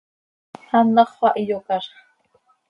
Anàxö xah iyocazx.